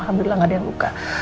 alhamdulillah gak ada yang luka